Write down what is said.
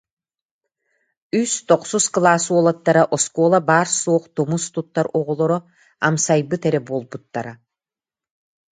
Үс тохсус кылаас уолаттара, оскуола баар-суох тумус туттар оҕолоро, амсайбыт эрэ буолбуттара